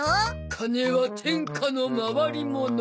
金は天下の回りもの。